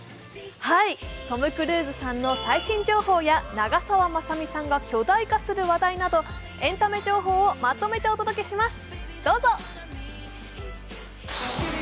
トム・クルーズさんの最新情報や長澤まさみさんが巨大化する話題などエンタメ情報をまとめてお届けします。